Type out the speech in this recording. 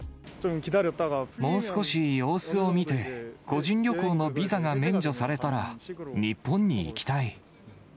もう少し様子を見て、個人旅行のビザが免除されたら日本に行きたい。